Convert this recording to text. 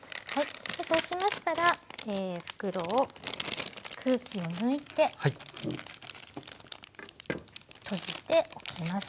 そうしましたら袋を空気を抜いて閉じておきます。